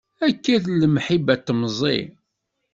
Akka i d lemḥibba n temẓi.